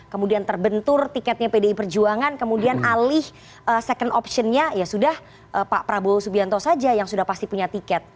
kemudian terbentur tiketnya pdi perjuangan kemudian alih second optionnya ya sudah pak prabowo subianto saja yang sudah pasti punya tiket